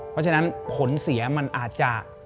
เพราะฉะนั้นผลเสียมันอาจจะ